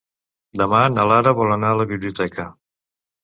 Demà na Lara vol anar a la biblioteca.